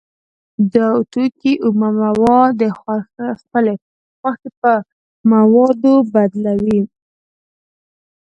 دا توکی اومه مواد د خپلې خوښې په موادو بدلوي